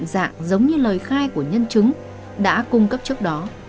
những hình ảnh giống như lời khai của nhân chứng đã cung cấp trước đó